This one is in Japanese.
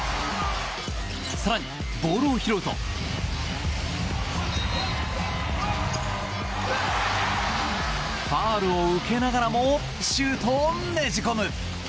更に、ボールを拾うとファウルを受けながらもシュートをねじ込む。